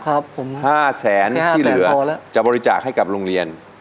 ครับผมห้าแสนที่เหลือจะบริจาคให้กับโรงเรียน